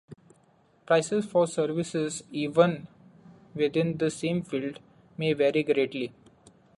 Prices for services, even within the same field, may vary greatly.